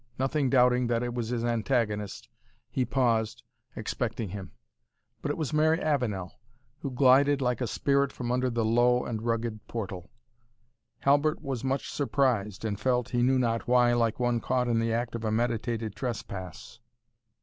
Nothing doubting that it was his antagonist, he paused, expecting him. But it was Mary Avenel, who glided like a spirit from under the low and rugged portal. Halbert was much surprised, and felt, he knew not why, like one caught in the act of a meditated trespass.